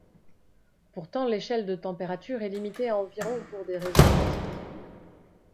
Pourtant l’échelle de température est limitée à environ pour des raisons pratiques.